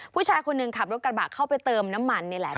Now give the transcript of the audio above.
ผู้ชายคนหนึ่งขับรถกระบะเข้าไปเติมน้ำมันนี่แหละ